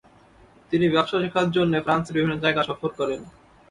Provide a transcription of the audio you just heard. তিনি ব্যবসা শেখার জন্যে ফ্রান্সের বিভিন্ন জায়গা সফর করেন।